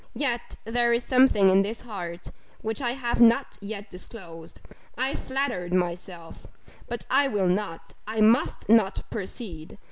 Yet there is something in this heart, which I have not yet disclosed. I flattered myself But, I will not I must not proceed.